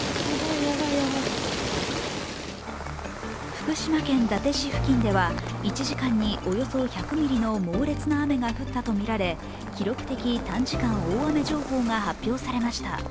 福島県伊達市付近では１時間におよそ１００ミリの猛烈な雨が降ったとみられ記録的短時間大雨情報が発表されました。